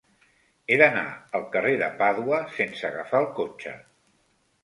He d'anar al carrer de Pàdua sense agafar el cotxe.